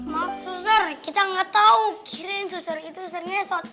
maaf zara kita ga tau kirain zara itu sering ngesot